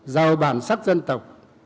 giàu bản sắc dân tộc